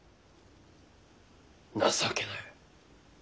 情けなや。